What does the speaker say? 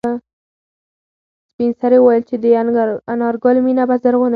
سپین سرې وویل چې د انارګل مېنه به زرغونه شي.